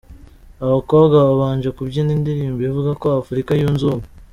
Abakobwa babanje kubyina indirimbo ivuga ko ’Afurika yunze ubumwe’